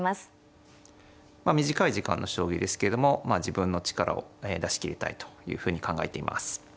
短い時間の将棋ですけれども自分の力を出し切りたいというふうに考えています。